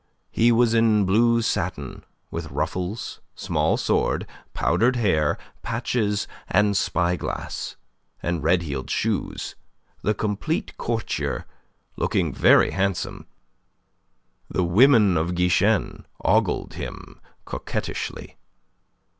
He was in blue satin, with ruffles, small sword, powdered hair, patches and spy glass, and red heeled shoes: the complete courtier, looking very handsome. The women of Guichen ogled him coquettishly.